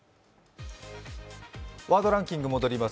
ワードランキングに戻ります。